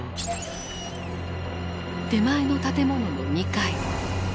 手前の建物の２階。